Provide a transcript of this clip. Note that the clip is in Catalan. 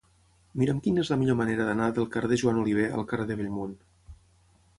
Mira'm quina és la millor manera d'anar del carrer de Joan Oliver al carrer de Bellmunt.